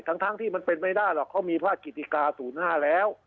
ทั้งที่มันเป็นไม่ได้หรอกเขามีภาคกิติกา๐๕แล้ว